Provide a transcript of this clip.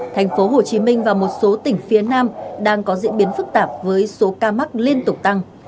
tp hcm và một số tỉnh phía nam đang có diễn biến phức tạp với số ca mắc liên tục tăng